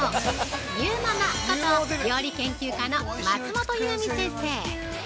ゆーママこと料理研究家の松本ゆうみ先生。